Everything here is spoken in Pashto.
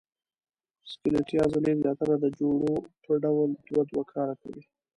سکلیټي عضلې زیاتره د جوړو په ډول دوه دوه کار کوي.